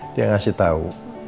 dia ngasih tau